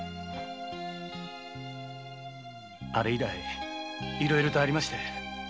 あれ以来いろいろありまして。